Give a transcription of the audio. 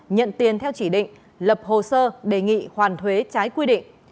nhận tiền theo chỉ định lập hồ sơ đề nghị hoàn thuế trái quy định